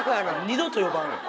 二度と呼ばんよ。